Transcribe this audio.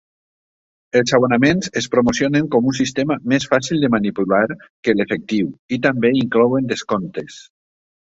Els abonaments es promocionen com un sistema més fàcil de manipular que l'efectiu i també inclouen descomptes.